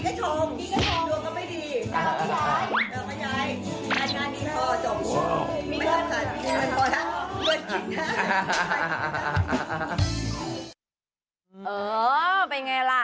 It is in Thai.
เออเป็นไงล่ะ